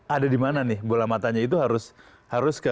ada dimana nih bola matanya itu